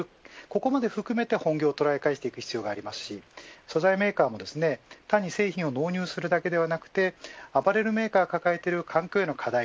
ここまで含めて本業を捉え直す必要がありますし素材メーカーも単に製品を納入するだけではなくアパレルメーカーが抱える環境への課題